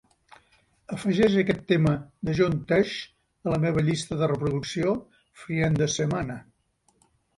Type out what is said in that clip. Afegeix aquest tema de John Tesh a la meva llista de reproducció FrienDeSemana